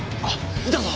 あっ。